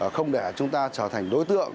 không để chúng ta trở thành đối tượng